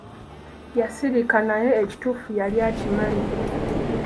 Yasirika naye ekituufu yali akimanyi.